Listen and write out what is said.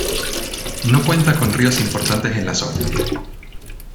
No cuenta con ríos importantes en la zona.